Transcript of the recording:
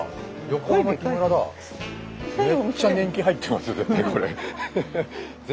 めっちゃ年季入ってますよ絶対これ。